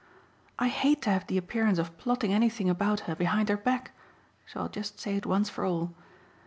I hate to have the appearance of plotting anything about her behind her back; so I'll just say it once for all.